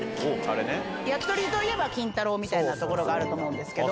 焼き鳥といえば、金太郎みたいなところがあると思うんですけど。